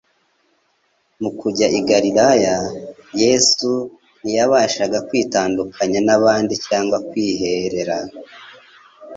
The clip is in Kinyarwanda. Mu kujya i Galilaya, Yesu ntiyashakagakwitandukanya n'abandi cyangwa kwiherera.